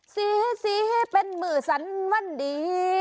ซีเป็นหมื่อสันวันนี้